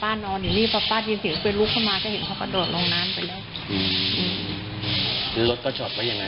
อ๋อปลานอนนี่แหละตัวอย่างนี้ก็จะมีสี่หัวอันมา